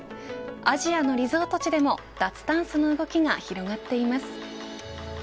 アジアのリゾート地でも脱炭素の動きが広がっています。